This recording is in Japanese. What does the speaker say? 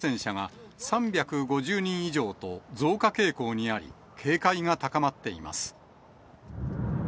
首都北京は、先月２２日以降の感染者が３５０人以上と増加傾向にあり、警戒が高まっています。